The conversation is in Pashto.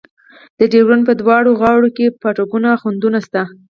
د ډیورنډ په دواړو غاړو کې پاټکونه او خنډونه شته.